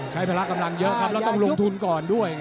พละกำลังเยอะครับแล้วต้องลงทุนก่อนด้วย